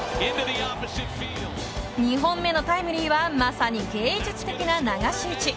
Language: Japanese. ２本目のタイムリーはまさに芸術的な流し打ち。